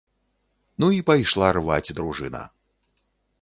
Ну, і пайшла рваць дружына!